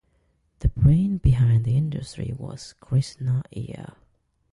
The brain behind the industry was Krishna Iyer.